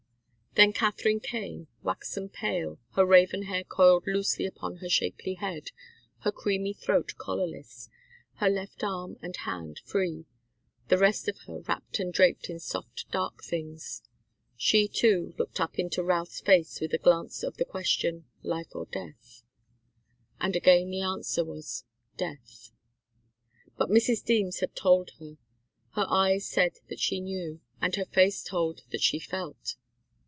Then Katharine came, waxen pale, her raven hair coiled loosely upon her shapely head, her creamy throat collarless, her left arm and hand free, the rest of her wrapped and draped in soft, dark things. She, too, looked up into Routh's face with the glance of the question, 'Life or death?' And again the answer was, 'Death.' But Mrs. Deems had told her. Her eyes said that she knew, and her face told that she felt.